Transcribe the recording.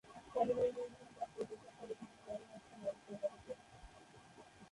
কবি কাজী নজরুল ইসলাম তার জীবদ্দশায় এখানে প্রায়ই আসতেন অবসর কাটাতে।